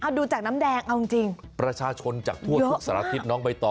เอาดูจากน้ำแดงเอาจริงประชาชนจากทั่วทุกสารทิศน้องใบตอ